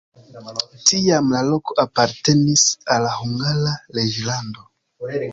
Tiam la loko apartenis al Hungara reĝlando.